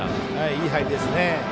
いい入りですね。